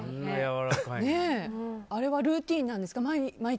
あれはルーティンなんですか？